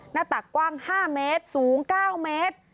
หน้าตักกว้าง๕เมตรสูง๙เมตร